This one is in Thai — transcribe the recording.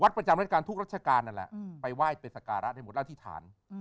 วัดประจำเรียนการทุกราศกาลไปว่ายเป็นศักระย์ในหมวดอาธิษฐาน